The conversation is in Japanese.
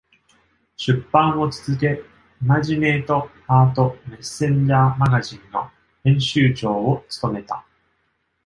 出版を続け、イマジネート・ハート・メッセンジャー・マガジンの編集長を務めた。